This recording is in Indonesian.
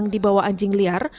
di bawah anjing liar